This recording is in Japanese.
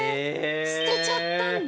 捨てちゃったんだ。